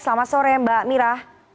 selamat sore mbak mira